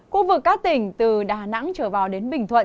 khu vực các tỉnh từ đà nẵng trở vào đến bình thuận